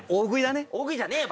大食いじゃねえよ。